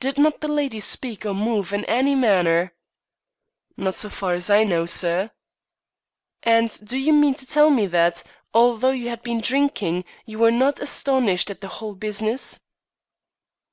"Did not the lady speak or move in any manner?" "Not so far as I know, sir." "And do you mean to tell me that, although you had been drinking, you were not astonished at the whole business?"